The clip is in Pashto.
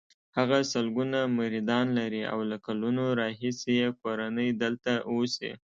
هغه سلګونه مریدان لري او له کلونو راهیسې یې کورنۍ دلته اوسي.